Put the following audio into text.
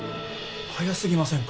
早すぎませんか？